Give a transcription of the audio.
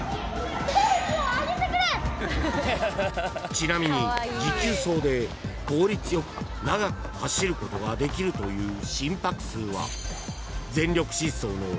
［ちなみに持久走で効率よく長く走ることができるという心拍数は］